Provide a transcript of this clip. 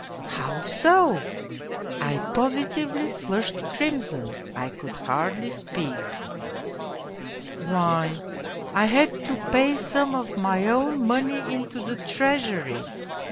How so ?' I positively flushed crimson, I could hardly speak. "' Why, I had to pay some of my own money into the Treasury.